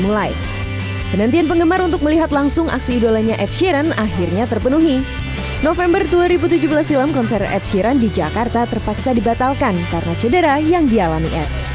jadi saya minta maaf untuk menghentikan persembahan itu dan terima kasih banyak banyak untuk mengembalikan persembahan ini